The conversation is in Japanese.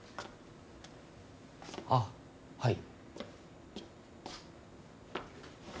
あっはい。